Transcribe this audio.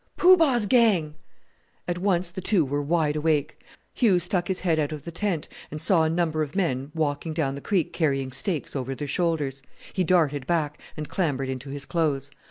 "Poo Bah's gang." At once the two were wide awake. Hugh stuck his head out of the tent, and saw a number of men walking down the creek carrying stakes over their shoulders. He darted back, and clambered into his clothes.